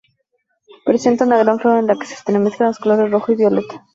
Presenta una gran flor en la que se entremezclan los colores rojo y violeta.